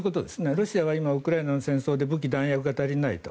ロシアは今、ウクライナの戦争で武器、弾薬が足りないと。